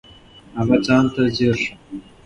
هغه ځان ته ځیر شو.